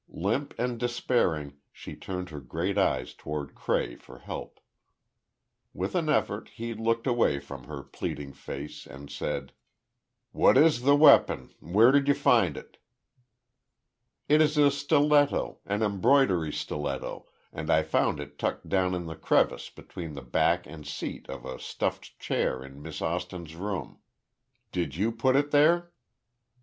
Limp and despairing, she turned her great eyes toward Cray for help. With an effort, he looked away from her pleading face, and said: "What is the weapon? Where did you find it?" "It is a stiletto—an embroidery stiletto—and I found it tucked down in the crevice between the back and seat of a stuffed chair in Miss Austin's room. Did you put it there?"